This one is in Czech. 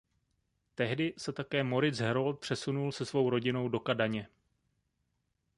Tehdy se také Moritz Herold přesunul se svou rodinou do Kadaně.